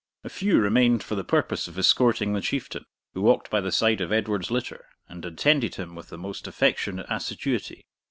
A few remained for the purpose of escorting the Chieftain, who walked by the side of Edward's litter, and attended him with the most affectionate assiduity.